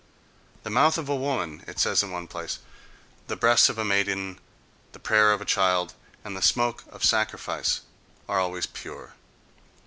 "The mouth of a woman," it says in one place, "the breasts of a maiden, the prayer of a child and the smoke of sacrifice are always pure."